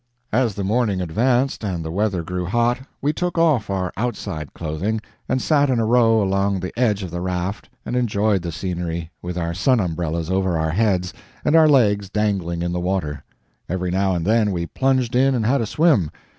As the morning advanced and the weather grew hot, we took off our outside clothing and sat in a row along the edge of the raft and enjoyed the scenery, with our sun umbrellas over our heads and our legs dangling in the water. Every now and then we plunged in and had a swim.